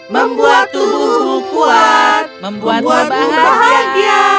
membuat tubuhku kuat membuatmu bahagia